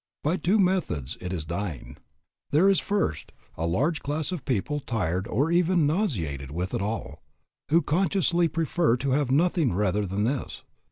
By two methods it is dying. There is, first, a large class of people tired of or even nauseated with it all, who conscientiously prefer to have nothing rather than this.